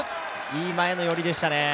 いい前の寄りでしたね。